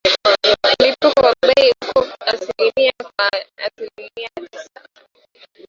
Mfumuko wa bei uko asilimia kwa asilimia sita